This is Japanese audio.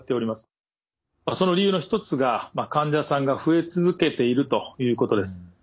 その理由の一つが患者さんが増え続けているということです。